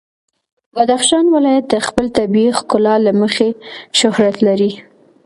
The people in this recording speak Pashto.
بدخشان ولایت د خپل طبیعي ښکلا له مخې شهرت لري.